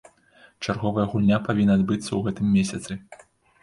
Чарговая гульня павінна адбыцца ў гэтым месяцы.